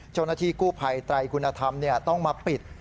เจ้าหน้าที่กู้ภัยไตรคุณธรรมต้องมาปิด